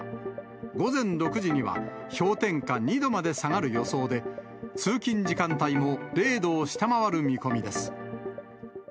午前６時には氷点下２度まで下がる予想で、通勤時間帯も０度を下回る見込みです。